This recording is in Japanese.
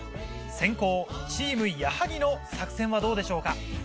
先攻チーム矢作の作戦はどうでしょうか？